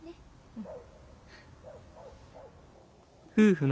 うん。